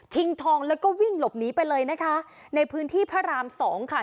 ทองแล้วก็วิ่งหลบหนีไปเลยนะคะในพื้นที่พระรามสองค่ะ